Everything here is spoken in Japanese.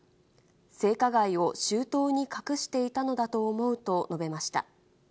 性加害を周到に隠していたのだと思うと述べました。